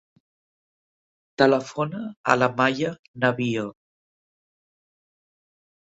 Telefona a la Maia Navio.